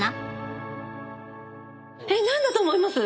えっ何だと思います？